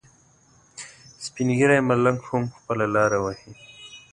سپین ږیری ملنګ هم خپله لاره وهي.